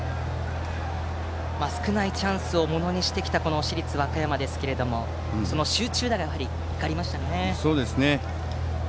少ないチャンスをものにしてきた市立和歌山ですがその集中打が光りましたね。